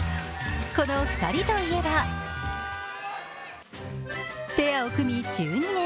この２人といえばペアを組み１２年。